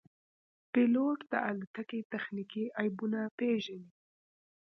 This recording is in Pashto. پیلوټ د الوتکې تخنیکي عیبونه پېژني.